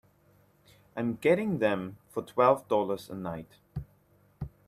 I'm getting them for twelve dollars a night.